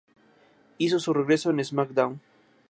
Hizo su regreso en SmackDown!